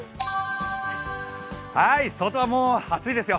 外はもう暑いですよ。